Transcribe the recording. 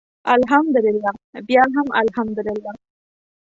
الحمدلله بیا هم الحمدلله.